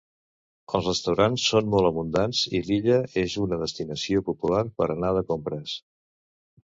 Els restaurants són molt abundants i l'illa és una destinació popular per anar de compres.